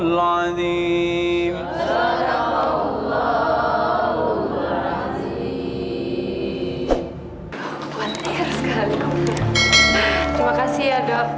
terima kasih ya dok